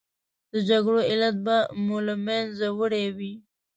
د جګړو علت به مو له منځه وړی وي.